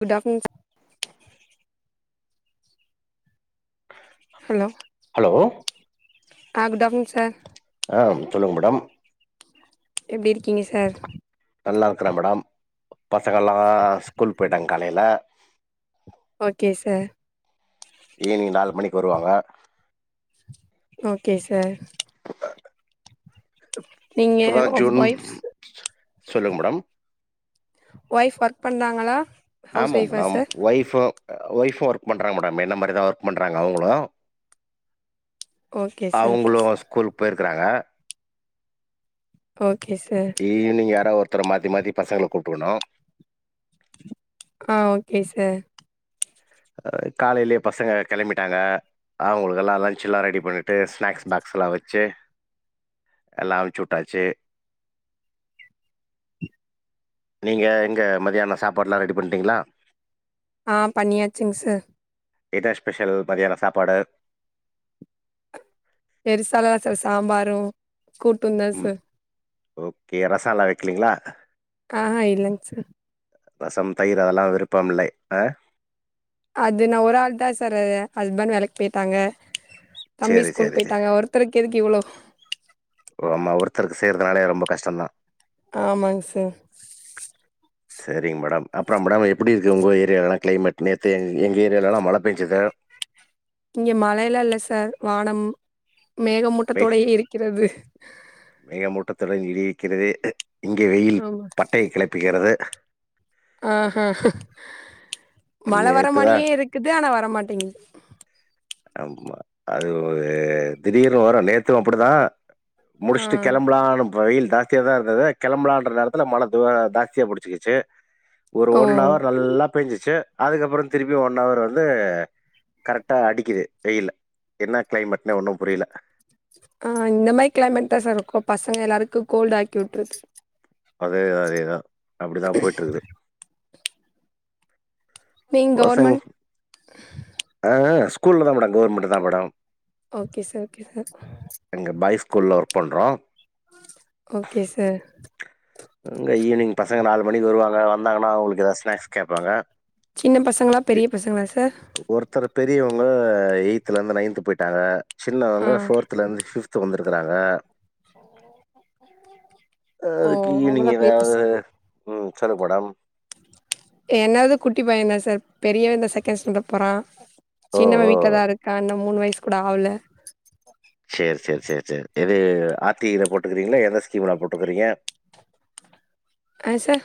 குட afternoon hello hello ஆ good afternoon sir ஆ சொல்லுங் மேடம் எப்டி இருக்கீங்க சார் நல்லா இருக்கிற மேடம் பசங்கள்லா ஸ்கூல் போயிட்டாங்க காலைல ஓகே சார் ஈவ்னிங் நாலு மணிக் வருவாங்க ஓகே சார் நீங்க இப்பதா ஜூன் ஒய்ஃப் சார் சொல்லுங்க மேடம் ஒய்ஃப் ஒர்க் பண்ணாங்களா ஆமாம் மேடம் ஒய்ஃபு ஒய்ஃபு ஒர்க் பண்றாங்க மேடம் என்ன மாரி தா ஒர்க் பண்றாங்க அவுங்களு ஓகே சார் ஓகே அவுங்களு சார் ஸ்கூல்க் போய் இருக்காங்க ஓகே சேர் ஈவினிங் யாராது ஒருத்தர மாத்தி மாத்தி பசங்கள கூட்டு வுணு ஆ ஓகே சேர் அ காலையிலே பசங்க கெளம்பிடாங்க அவுங்களுகெல்லா லன்ச் எல்லா ரெடி பண்ணிட்டு ஸ்நாக்ஸ் பாக்ஸ் எல்லா வச்சு எல்லா வச்சு விட்டாச்சு நீங்க இங்க மதியான சாப்பாடெல்லா ரெடி பண்ட்டீங்ளா ஆ பண்ணியாச்சுங் செர் என்ன ஸ்பெஷல் மதியான சாப்பாடு பெருசால்லா செர் சாம்பாரு கூட்டுந்தா ம் செர் ஓகே ரசலா வக்கலீங்ளா ஆஹா இல்லைங்க சார் ரசம் தயிர் அதெல்லா விருப்பமில்லை ஆ அது நா ஒரு ஆள் தா செரு ஹஸ்பண்ட் வேலைக்கு போயிட்டாங்க தம்பி சேரி ஸ்கூல் சேரி சேரி போயிட்டாங்க ஒரு ஒருத்தருக்கு எதுக்கு இவ்ளோ ஓ ஆமா ஒருத்தருக்கு செய்றதுனாலே ரொம்ப கஷ்டோதா ஆமாங் செர் சேரிங்க மேடம் அப்றோ மேடம் எப்டி இருக்கு உங்க ஏரியால்லா கிளைமேட் நேத்து எங் எங்க ஏரியாலல்லா மழ பெஞ்சுது இங்க மழயில இல்ல செர் வானம் வெய் மேகமூட்டத்தோடையே இருக்கிறது மேகமூட்டத்துடன் இடி இடிக்கிறது இங்கே வெயில் ஆமா பட்டைய கெளப்புகிறது ஆ அ மழ வர நேத்துதா மாரியே இருக்குது ஆனா வரமாட்டேங்து ஆமா அது திடீர்னு வரு நேத்து அப்டிதா ஆ முடிச்சுட்டு கெளம்பலானு வெயில் ஜாஸ்தியா தா இருந்தது கெளம்பலான்ற நேரத்துல மழ தா ஜாஸ்தியா புடிச்சிகிச்சு ஒரு ஓ ஓன் அவர் நல்லா பெஞ்சிச்சு அதுக்கப்றோ திருப்பியு ஒன் அவர் வந்து கரெக்டா அடி க்குது வெயில் என்ன கெளைமேட்னே ஒன்னு புரில ஆ இந்த மாரி கெளைமேட் தா செர் இருக்கு பசங்க எல்லாருக்கு கோல்டு் ஆக்கி விட்டுறுது அதேதா அதேதா அப்டிதா போயிட் இருக்து நீங்க பசங் கவர்மெண்ட் ஆ ஆ ஸ்கூல்ல தா மேடம் கவுவர்மெண்ட்லதா madam okay sir okay sir எங்க பாய் ஸ்கூல்ல ஒர்க் பண்றோ ஓகே செர் இங்க ஈவினங் பசங்க நாலு மணிக்கு வருவாங்க வந்தாங்கனா அவுங்களுக் எதனா ஸ்னாக்ஸ் கேப்பாங்க சின்ன பசங்ளா பெரிய பசங்ளா செர் ஒருத்தர் பெரியவங்க எயித்துல இருந்து நைன்து போய்ட்டாங்க ஆ சின்னவங்க ஃபோர் ல்ல இருந்து ஃபிப்த்து வந்து இருக்காங்க ஓ அதுக்கு ஈவினிங் அவங்களா பெரிய பச எதாவது ம் சொலுங்க மேடம் என்னது குட்டி பயந்தா செர் பெரியவதா செகண்ட் ஸ்டாண்டர்ட் போறா ஓ சின்னவ ஓ வீட்லதா இருக்கா இன்னு மூணு வயசு கூட ஆகல சேரி சேரி சேரி சேரி எது ஆ‌ர் டி‌ ல போட்டுயிருக்கிங்ளா எந்த ஸ்கீம்ல போட்டுயிருக்கிங்க ஆ செர்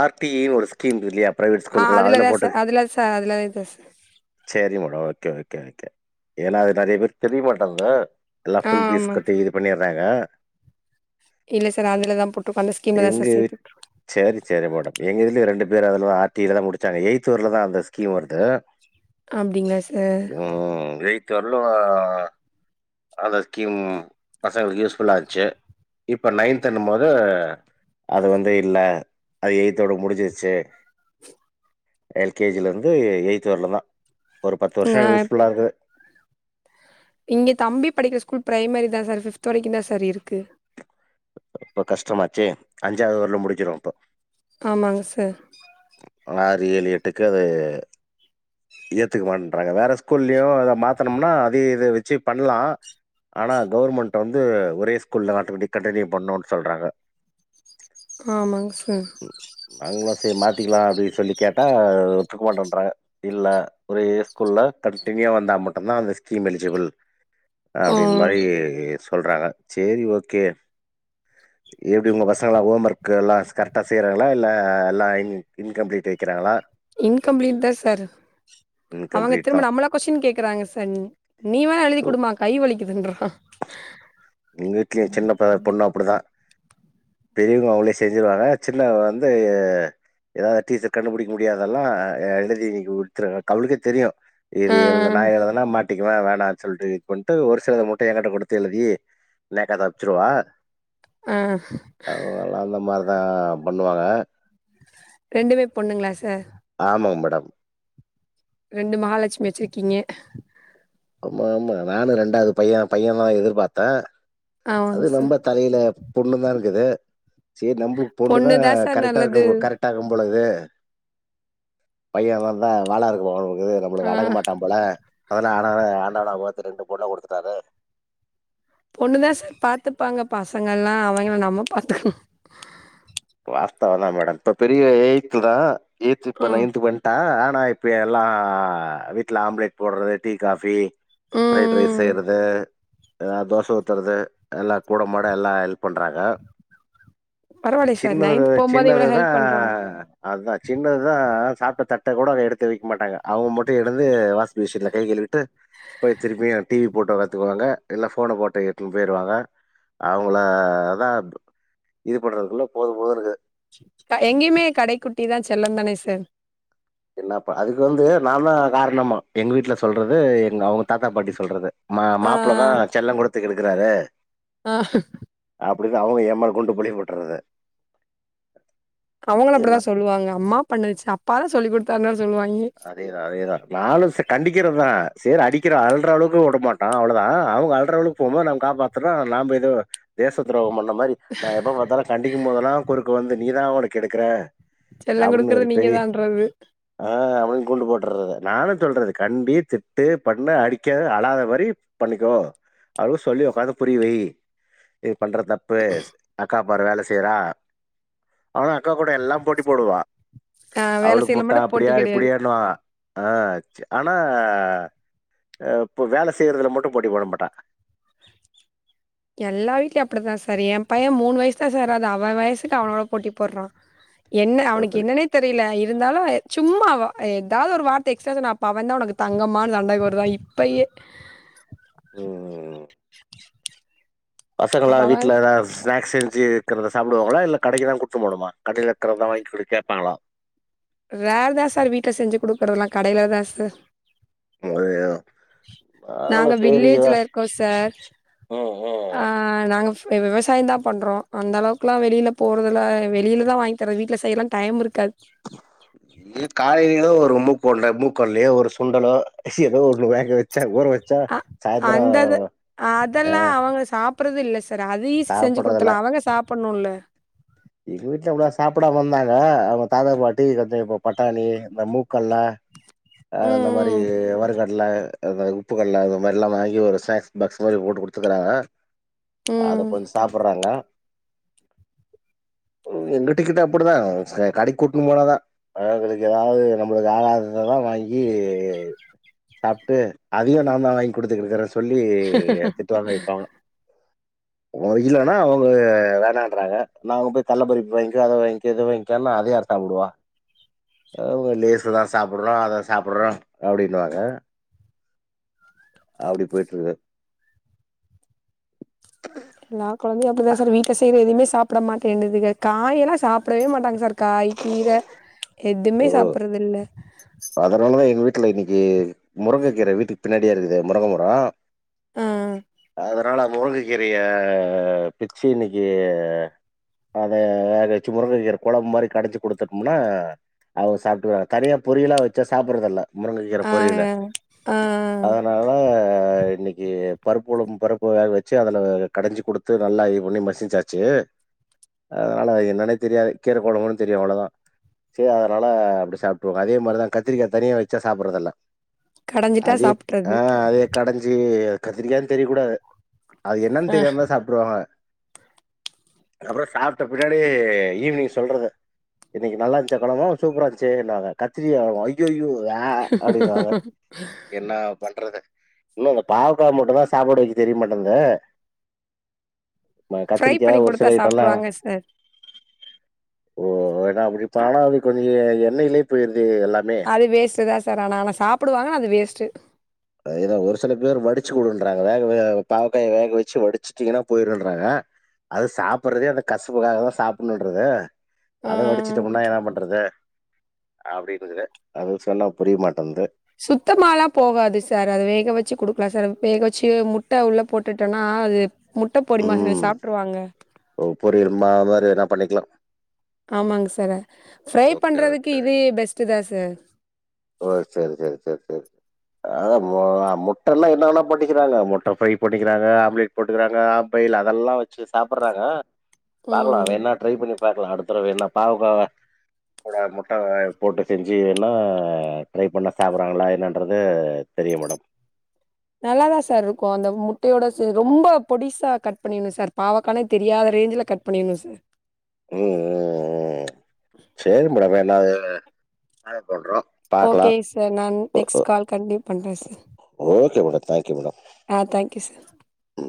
ஆர் டி யினு ஒரு ஸ்கீம் இல்லையா பிரைவேட் ஆ ஸ்கூலுக்குல்லா அதுல அதுலதா சார் போட்டு அதுல சார் அதுலதா சார் சேரி மேடம் ஓகே ஓகே ஓகே ஏனா அது நெறைய பேருக் தெரிய மாட்டேங்க எல்லாம் ஆ ஃபுல் பீஸ் ஆமா கட்டி இது பண்ணிட்றாங்க இல்ல சார் அதுல தான் போட்டுருகோ அந்த ஸ்கீம்தா சேத்துட்ருகோ சேரி சேரி மேடம் எங்க இதுலய ரெண்டு பேர் அதுலதா ஆர்டியில தான் முடிச்சாங்க எயித்து வரிலுதா அந்த ஸ்கீம் வருது அப்டிங்களா சார் ம் எய்த்து வரலும் அந்த ஸ்கீம் பசங்ளுக்கு யூஸ்ஃபுல்லா இருந்துச்சு இப்ப நைன்த்ண்ணும் போது அது வந்து இல்ல அது எயித்தோட முடிஞ்சிருச்சு எல்கேஜில இருந்து எயித் வரயிலு தா ஒரு பத்து நா வருஷம் யூஸ்ஃபுல்லா இருந்தது இங்கே தம்பி படிக்கிற ஸ்கூல்ல ப்ரைமரி தான் சார் ஃபிப்து வரைக்கும் தான் சார் இருக்கு இப்ப கஷ்டமாச்சு அஞ்சாவது வரயுலு முடிஞ்சிரும் இப்போ ஆமாங்க சார் ஒரு ஆறு ஏலு எட்டுக்கு அது ஏத்துக்க மாட்டன்றாங்க வேற ஸ்கூல்லியு அத மாத்தனம்னா அத இதை வச்சு பண்ணலாம் ஆனா கவர்மெண்ட்டு வந்து ஒரே ஸ்கூல்ல ஆட்டோமேட்டிக் கண்டினியூ பண்ணுன்னு சொல்றாங்க ஆமாங்க சார் நாங்களும் செரி மாத்திக்கலாம் அப்டின் சொல்லி கேட்டா ஒத்துக்க மாட்டன்றாங்க இல்ல ஒரே ஸ்கூல்ல கண்ட்டினியூவா வந்தா மட்டும்தான் அந்த ஸ்கீம் எலிஜிபிள் ஆ அப்டின்னு மாரி சொல்றாங்க சேரி ஓக்கே எப்பட உங்க பசங்களாம் ஹோம் ஒர்க் எல்லாம் கரெக்ட்டா செய்றாங்களா இல்ல எல்லான் இன் கம்ப்ளீட் வக்கிறாங்களா இன்கம்ப்ளீட் தான் சார் அவங்க இன்கம்ப்ளீட் திரும்ப தான். நம்மளா கொஸின் கேக்குறாங்க சார் நீ வேணா எழுதி குடுமா கை வலிக்குதுன்றான் எங்க வீட்லயும் சின்ன ப பொண்ணும் அப்டிதான் பெரியவங்க அவ்ங்ளே செஞ்சிருவாங்க சின்னவ வந்து ஏதாது டீச்சர் கண்டுபுடிக்க முடியாதல்லாம் எழுதி நீங் குடுத்துருங்க அவளுக்கே தெரியும் இது ஆ எழுதுனா நா எழுதுனா மாட்டிக்குவே வேணான் சொல்ட்டு இது பண்ட்டு ஒரு சிலத மட்டுன் ஏங்கிட்ட குடுத்து எழுதி லேக்கா தாப்ச்சுருவா ம் அவங்களலாம் இந்த மாரி தாங்க பண்ணுவாங்க ரெண்டுமே பொண்ணுங்ளா சார் ஆமாங் மேடம் ரெண்டு மகாலட்சுமி வச்சிருக்கீங்க ஆமா ஆமா நானு ரெண்டாது பையன் பையன் தான் எதிர்பாத்தன் ஆமாங்க அது சார் நம்ப தலையில பொண்ணு தான் இருக்குது சேரி நம்ளுக் பொண்ணு தா பொண்ணுதா சார் கரெடா நல்லது இருக்கு கரெட் ட்டா இக்கும் போலக்குது பையன் வந்தா வாலஇருக் இது ஆ நம்மளுக்கு அடங்க மாட்டான் போல அதானானால ஆண்டவனா பாத்து ரெண்டு பொண்ணு குடுத்துட்டாரு பொண்ணுதான் சார் பாத்துப்பாங்க பசங்கல்லாம் அவங்கள நம்ம பாத்துக்கணும் வாஸ்தவ தா மேடம் இப்ப பெரியவ எயத்துதா எய்த்து ஆ இப்ப நைன்துக் வண்டா ஆனா இப் ப்ப எல்லா வீட்ல ஆம்லேட் போடுறது டீ காஃபி ம் ப்ரைட் ரைஸ் ம் செய்றது அ தோசை ஊத்றது எல்லா கூட மாட எல்லா ஹெல்ப் பண்றாங்க பரவாயில்ல சார் சின்னது நைன்த் போம்போது இவ்ளோ சின்னதுதா ஹெல்ப் பண்றாங்க அதுதா சின்னதுதா சாப்ட்ட தட்ட கூட அவ ஏடுத்து வைக்க மட்டாங்க அவங்க மட் த்து எடது வாஷிங் மிஷின்ல கை கழுவிட்டு போயி திரும்பியு டிவி போட்டோ பத்துக்குவாங்க இல்ல ஃபோன பாட்டு எத்துன்னு போயிருவாங்க அவங்கள அதா இது பண்றதுக்குல்ல போதும் போதுனுக்கிது க எங்கயுமே கடை குட்டிதா செல்லம் தானே சார் என்னப்ப அதுக்கு வந்து நான்தா காரணமா எங்க வீட்ல சொல்றது எங்க அவங்க தாத்தா பாட்டி சொல்றது மா ஆ மாப்பிள்ளதா செல்லங்குடுத்து கெடுக்கறாரு ஆ அப்டிதா அவுங்க ஏமேல கொண்டு பழிய போட்டறது அவங்களு அப்டிதா நான் சொல்லுவாங்க அம்மா பண்ணுச்சி அப்பாதா சொல்லி குடுத்தாங்க சொல்வாங்க அதேதா அதேதா நானும் கண்டிக்கிறது தா செரி அடிக்கிற அழற அளவுக்கு உடமாட்டா அவ்ளோதா அவுங்க அழற அளவுக் போமோது நம்ம காப்பாத்துறோ நாம்ப எதோ தேச துரோகம் பண் அந்த மாரி நா எப்ப பாத்தாலும் கண்டிக்கும் போதெல்லா குறுக்கு வந்து நீதா அவன கெடுக்கற செல்ல அப்டின் ஒரு குடுக்குறது பெரிய நீங்கதான்றது ஆ மாரி குண்டு போட்டறது நானும் சொல்றது கண்டி திட்டு பண்ணு அடிக்காத அழாத மாரி பண்ணிக்கோ அவுளுக் சொல்லி உக்காந்து புரியவை நீ பண்ற தப்பு அக்கா பாரு வேல செய்றா அவலா அக்கா கூட எல்லாம் போட்டி போடுவா ஆ வேல அவளுக்கு செய்யல முட்ட மட்டு போட்டி அப்டியா கெடையாது இப்டியான்னுவா ஆ ஆனா ஆ இப்போ வேல செய்யறதுல மட்டும் போட்டி போட மாட்டா எல்லா வீட்லயும் அப்டி தான் சார் ஏன் பையன் மூணு வயசு தா சார் ஆவுது அவன் வயசுக்கு அவனோட போட்டி போடறா என்ன அவனுக்கு என்னன்னே தெரியில இருந்தாலும் சும்மா வ எதாவது ஒரு வார்த்தை எக்ஸ்ட்ரா சொன்னா அப்ப அவந்தான் ஒனக்கு தங்கமான் சண்டை போடறான் இப் பையே ம் ம் பசங்கலா அப்ப அவ வீட்லதா ஸ்நாக்ஸ் செஞ்சி தரத சாப்டுவாங்களா இல்ல கடைக்கு தா கூட்னு போனுமா கடையில இருக்கறது தா வாங்கி குடு கேப்பாங்களா ரேர்தா சார் வீட்ல செஞ்சி குடுக்கறதல்லாம் கடையில தா சார் அது நாங்க நாங்களும் சரி. வில்லேஜில இருக்கோம் சார் ம், ம். ஆ நாங்க விவ விவசாயம் தா பண்றோம் அந்த அளவுக்குலா வெளியில போறதுல வெளியில தா வாங்கி தர வீ்ட்ல செய்யலா டைம் இருக்காது ஏ காலையிலேதா ஒரு உம்ம போடல மூக்கடலையோ ஒரு சுண்டலோ எதோ ஒண்ணு வேக வச்சா ஊற வச் ஆ அந்தது அ அதெல்லா அவங்க சாப் பறது இல்ல சார் அது ஈஸி செஞ்சி சாப்பிடுறதுல்ல குடுத்துருலா அவங்க சாப்பண்ணும் இல்ல எங்க வீட்லயு அப்டிதா சாப்படாம இந்தாங்க அவங்க தாத்தா பாட்டி கொஞ்சம் இப்ப பட்டானி இந்த மூக்கல்ல ஆ அந்த மாரி ம் ம் வரு க ல்ல அந்த உப்புக்கல்ல அந்த மாரில்லா வாங்கி ஒரு ஸ்நாக்ஸ் பாக்ஸ் மாரி போட்டு குடுத்துக்கிறாங்க அத ம் கொஞ்சம் சாப்படறாங்க ம் எங்க டிக்கட்டும் அப்டிதா சே கடைக்கு கூட்டுன்னு போனாதா பழ கடைக்கு எதாவது நம்பளுக்கு ஆகாதததா வாங் கி சாப்ட்டு அதையும் நாந்தான் வாங்கி குடுத்துட்டுருக்கிற சொல்லி திட்டுவாங்க வைப்பாங்க ஒ இல்லன்னா அவங்க வேணான்றாங்க நா அவங்க போய் கள்ள பறிப்பு வாங்க்கி அத வாங்க்கி இத வாங்க்கினா அத யார் சாப்டுவா [inaudible] அங்க லேசுதா சாப்பிடுறோ அத சாப்பிடுற அப்டின்னுவாங்க அப்டி போய்ட்டு இருக்கு எல்லா கொழந்தையு அப்டிதா சார் வீட்ல செய்யத எவுமே சாப்ட் சாப்பிட மாட்டேண்டுதுங்க காயெல்லா சாப்பிடவே மாட்டாங்க சார் காய் கீர எதுவுமே ஓ சாப்பறது இல்ல அதனாலதா எங்க வீட்ல இன்னைக்கு முருங்ககீற வீட்டுக்கு பின்னாடியா இருக்குது முருங்க மரம் ஆ அதனால அங்க போங்கி கீரைய பிச்சு இன்னைக்கு அதை வேகச்சி முருகை கீரை குழம்பு மாதிரி கடைஞ்சு குடுத்துட்டோம்னா அத சாப்பிட்டு வாங்க தனியா பொரியல்லா வச்சா சாப்பறதுல்ல முருங்கைக் கீரை ஆ பொரியல ஆ அதனால இன்னைக்கு பருப்புளம் பருப்புக வச்சு அதுல கடைஞ்சு குடுத்து நல்லா இது பண்ணி மசிச்சாச்சு அதனால என்னன்னே தெரியாது கீரை குழம்புன்னு தெரியு அவ்ளோதா சரி அதனால அப்டி சாப் அதே மாதிரிதா கத்திரிக்காய் தனிய வச்சா சாப்பிடறது இல்ல கடஞ்சிட்டா த் சாப்ட்றது ஆ அதேத் கடைஞ்சி கத்திரிக்காதானு தெரிய கூடாது அது என்னன்னு தெரியாமதா சாப்பிடுவாங்க அப்புற சாப்பிட்ட பின்னாடி ஈவினிங் சொல்றது இன்னக்கு நல்லா இருந்துச்சா குழம்பு சூப்பரா இருந்துச்சு நாங்க டீ யா ஐயயோ வே அப்டினுவாங்க என்ன பண்றது இன்னும் இந்த பாவக்காய் மட்டு தா சாப்பாடு வைக்க தெரியமாட்டேங்குது ப்ரை பண்ணி ஒரு குடுத்தா சில ஐட்டம்லா சாப்ட்ருவாங்க சார் ஓ ஏன்னா அப்டி தானா அது கொஞ்ச எண்ணெயிலயே போய்டுது எல்லாமே அது வேஸ்டு தா சார் ஆனா அது சாப்புடுவாங்க ன்னா அது வேஸ்ட்டு ஏதோ ஒரு சில பேர் வடிச்சு வுடுன்றாங்க வேக பாவக்காய வேக வச்சு வடிச்சுட்டீங்கன்னா போய்டுன்றாங்க அது சாப்ட்றதே அந்த கசப்புக்காக தா சாப்புடணுன்றது ஆ அத வடிச்சுட்ட முன்னா என்ன பண்றது அது சொன்னா புரிய மாட்டேங்குது சுத்தமால்லாபோகாது சார் அத வேக வச்சு குடுக்கலா சார் வேக வச்சு முட்ட உள்ள போட்டுட்டேனா அது முட்ட பொடிமாசுனு சாப்ட்ருவாங்க ஒகே ஒரு இது மாரி அத எதனா பண்ணிக்கலா ஆமாங்க சார் ஃப்ரை ஓகே, பண்றதுக்கு ஓகே, இது ஓகே. பெஸ்ட்டு தா சார் ஓ சரி சரி சரி சரி சரி அத முட்டனா என்னன்னா பண்ணிக்கிறாங்க முட்ட ஃப்ரை பண்ணிக்கிறாங்க ஆம்லெட் போட்டுக்கறாங்க ஆப் ஆயில் அதெல்லா வச்சு சாப்புறாங்க பாக்கலா ம் வேனா ட்ரை பண்ணி பாக்கலா அடுத்தடவ என்ன பாவக்காவ கூட முட்ட வேக போட்டு செஞ்சீங்கண்ணா ட்ரை பண்ணா சாப்றாங்களா என்னன்றது தெரியு மேடம் நல்லாதா சார் இருக்கு அந்த முட்டையோட ரொம்ப பொடிசா கட் பண்ணிடணு சார் பாவக்கானே தெரியாத ரேஞ்ல கட் பண்ணினு சார் ம் ம் ம் சேரி மேடம் என்னது நா சொல்றோ ஓகே சார் நான் நெக்ஸ்ட் கால் கண்டியூ பண்றே sir okay madam thank you madam ஆ தேங்க் யூ சார் ம்.